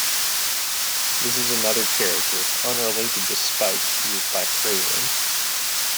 This is another character, unrelated to Spike used by Freleng.